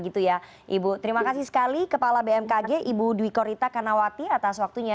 terima kasih sekali kepala bmkg ibu dwiko rita kanawati atas waktunya